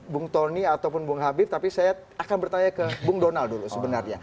bung tony ataupun bung habib tapi saya akan bertanya ke bung donal dulu sebenarnya